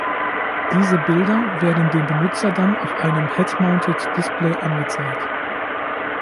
Diese Bilder werden dem Benutzer dann auf einem Head-Mounted Display angezeigt.